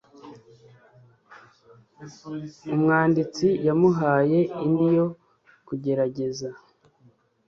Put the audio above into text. umwanditsi yamuhaye indi yo kugerageza